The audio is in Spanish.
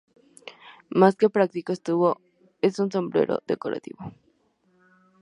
Más que práctico es un sombrero decorativo.